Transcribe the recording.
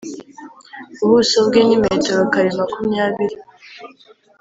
ubuso bwe ni metero kare makumyabiri